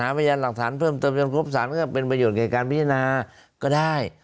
หาบรรยายหลักฐานเพิ่มเติบยนต์ครบสารก็เป็นประโยชน์ในการพิจารณาก็ได้